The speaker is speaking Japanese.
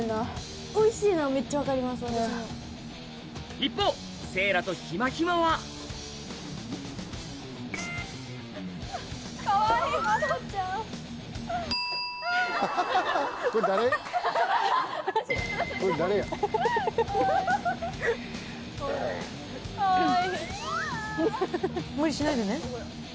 一方せいらとひまひまは無理しないでね。